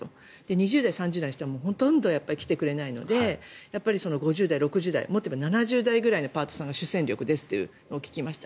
２０代、３０代の人はほとんど来てくれないので５０代、６０代、もっと言えば７０代ぐらいのパートさんが主戦力ですというのを聞きました。